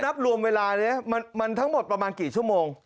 นับรวมเวลานี้มันทั้งหมดประมาณกี่ชั่วโมง